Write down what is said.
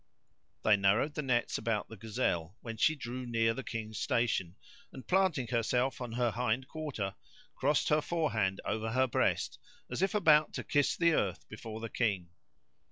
They narrowed the nets about the gazelle when she drew near the King's station; and, planting herself on her hind quarter, crossed her forehand over her breast, as if about to kiss the earth before the King.